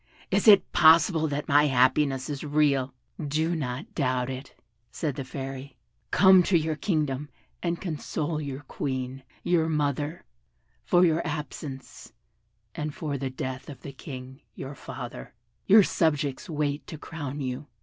Is it possible that my happiness is real?" "Do not doubt it," said the Fairy, "come to your kingdom and console the Queen, your mother, for your absence, and for the death of the King, your father: your subjects wait to crown you."